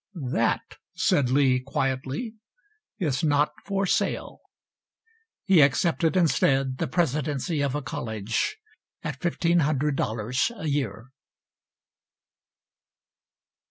"That," said Lee, quietly, "is not for sale." He accepted, instead, the presidency of a college at $1500 a year.